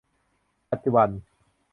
ปัจจุบัน